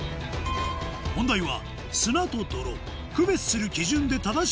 問題は